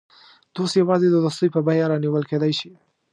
دوست یوازې د دوستۍ په بیه رانیول کېدای شي.